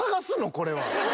これは。